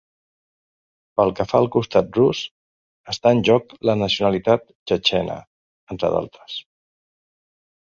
Pel que fa al costat rus, està en joc la nacionalitat txetxena, entre altres.